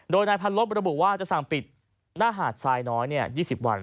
โดยนายพันลบระบุว่าจะสั่งปิดหน้าหาดทรายน้อย๒๐วัน